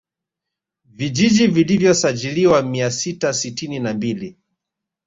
Vijiji vilivyosajiliwa mia sita sitini na mbili